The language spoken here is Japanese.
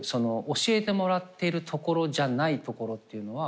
教えてもらっているところじゃないところっていうのは。